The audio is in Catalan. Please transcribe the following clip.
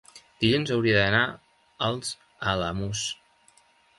dilluns hauria d'anar als Alamús.